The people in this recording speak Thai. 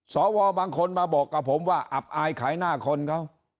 สวบางคนมาบอกกับผมว่าอับอายขายหน้าคนเขา